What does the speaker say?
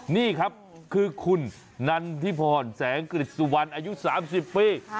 นี่ครับคือคุณนันทิพรแสงกฤษสุวรรณอายุ๓๐ปี